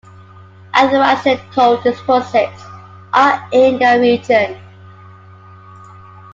Anthracite coal deposits are in the region.